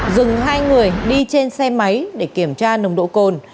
dừng hai người đi trên xe máy để kiểm tra nồng độ cồn